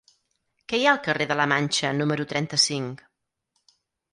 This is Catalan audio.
Què hi ha al carrer de la Manxa número trenta-cinc?